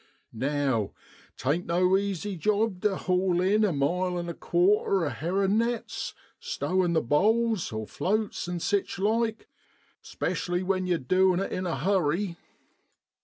Now tain'tno easy job tu haul in a mile an' a quarter of herrin' nets, stowin' the ' bowls ' (floats) an' sich like, especially when yew're doin' it in a hurry.